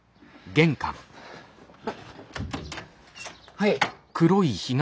はい。